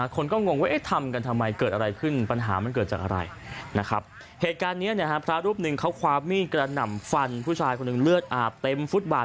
คนก็งงว่าทำกันทำไมเกิดอะไรขึ้น